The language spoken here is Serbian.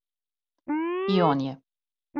И он је.